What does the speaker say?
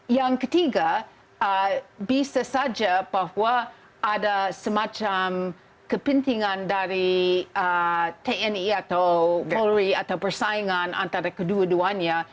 yang ketiga bisa saja bahwa ada semacam kepentingan dari tni atau polri atau persaingan antara kedua duanya